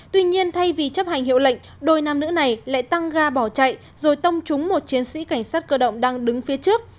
tuy nhiên thay vì chấp hành hiệu lệnh đôi nam nữ này lại tăng ga bỏ chạy rồi tông trúng một chiến sĩ cảnh sát cơ động đang đứng phía trước